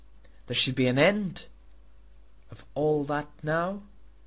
There should be an end of all that now.